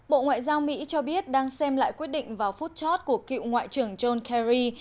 bộ ngoại giao mỹ cho biết đang xem lại quyết định vào phút chót của cựu ngoại trưởng john kerry